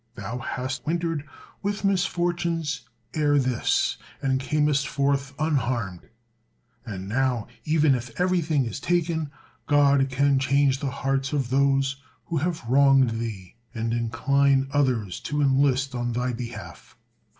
Thou has wintered with misfortunes ere this, and camest forth unharmed; and now, even if everything is taken, God can change the hearts of those who have wronged thee, and incline others to enlist in thy behalf."